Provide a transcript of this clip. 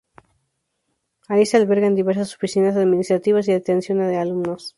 Ahí se albergan diversas Oficinas administrativas y de atención a alumnos.